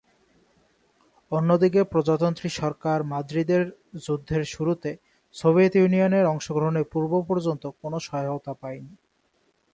অন্যদিকে প্রজাতন্ত্রী সরকার মাদ্রিদের যুদ্ধের শুরুতে সোভিয়েত ইউনিয়নের অংশগ্রহণের পূর্ব-পর্যন্ত কোন সহায়তা পায়নি।